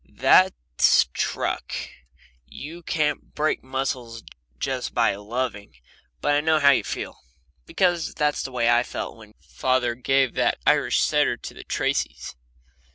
"That's truck. You can't break muscles just by loving. But I know how you feel, because that's the way I felt when father gave that Irish setter to the Tracys."